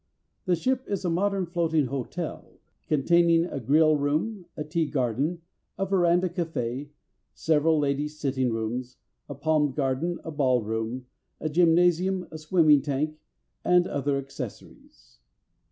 The ship is a modern floating hotel, containing a grill room, a tea garden, a veranda café, several ladies' sitting rooms, a palm garden, a ball room, a gymnasium, a swimming tank, and other accessories.